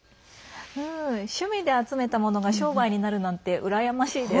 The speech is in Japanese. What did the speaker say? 趣味で集めたものが商売になるなんて羨ましいです。